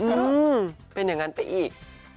ก็เป็นอย่างนั้นไปอีก